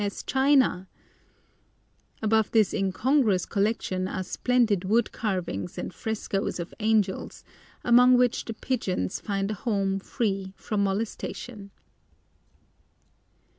S. China! Above this incongruous collection are splendid wood carvings and frescoes of angels, among which the pigeons find a home free from molestation.